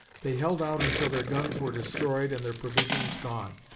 They held out until their guns were destroyed and their provisions gone.